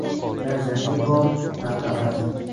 Na zanjir bor, na qafas